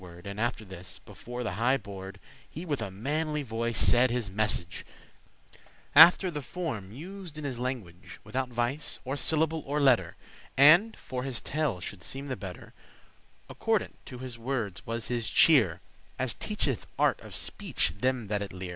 * *could not better him And after this, before the highe board, by one word* He with a manly voice said his message, After the form used in his language, Withoute vice* of syllable or letter. *fault And, for his tale shoulde seem the better, Accordant to his worde's was his cheer,* *demeanour As teacheth art of speech them that it lear.